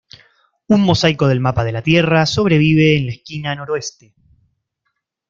Un mosaico del mapa de la Tierra sobrevive en la esquina noroeste.